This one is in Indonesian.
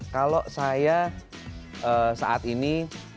kalau saya saat ini